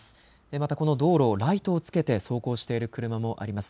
またこの道路をライトをつけて走行している車もあります。